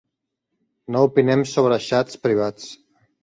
No opinem sobre xats privats.